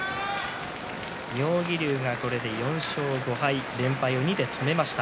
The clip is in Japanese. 妙義龍がこれで４勝５敗連敗を２で止めました。